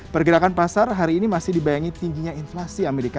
pergerakan pasar hari ini masih dibayangi tingginya inflasi amerika